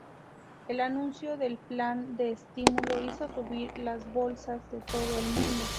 El anuncio del Plan de Estímulo hizo subir las bolsas de todo el mundo.